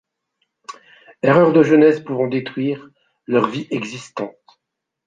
Erreurs de jeunesse pouvant détruire leurs vies existantes.